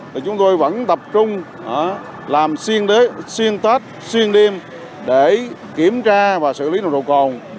thì chúng tôi vẫn tập trung làm siêng tát siêng đêm để kiểm tra và xử lý đồ đồ còn